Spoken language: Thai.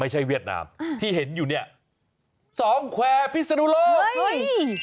เฮ้ยเมืองไทย